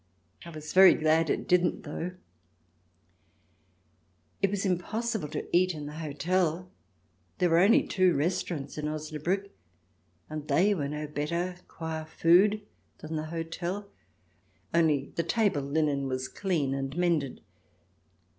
I was very glad it didn't, though ! It was impossible to eat in the hotel. There were only two restaurants in Osnabriick, and they were no better qua food than the hotel, only the table linen was clean and mended.